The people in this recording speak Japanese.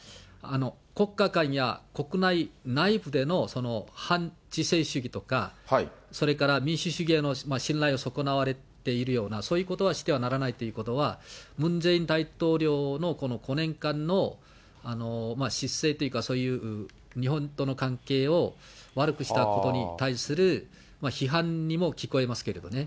国家間や国内内部での反知性主義とか、それから民主主義への信頼が損なわれているような、そういうことはしてはならないということは、ムン・ジェイン大統領のこの５年間の失政というか、そういう日本との関係を悪くしたことに対する批判にも聞こえますけどね。